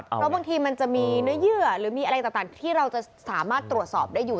เพราะบางทีมันจะมีเนื้อเยื่อหรือมีอะไรต่างที่เราจะสามารถตรวจสอบได้อยู่